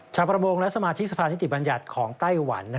ชาวประมงและสมาชิกสภานิติบัญญัติของไต้หวัน